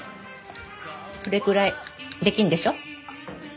それくらいできるでしょ？